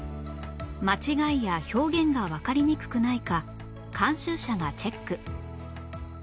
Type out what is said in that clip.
間違いや表現がわかりにくくないか監修者がチェック